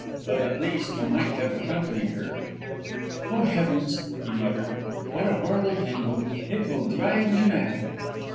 But, at least, he might have accompanied her. "Oh, heavens!" he muttered "what a horrible tangle. It will drive me mad!"